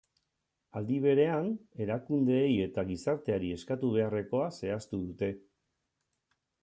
Aldi berean, erakundeei eta gizarteari eskatu beharrekoa zehaztu dute.